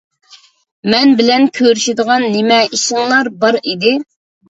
مەن بىلەن كۆرۈشىدىغان نېمە ئىشىڭلار بار ئىدى؟